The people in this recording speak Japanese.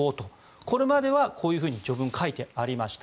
これまではこういうふうに序文は書いてありました。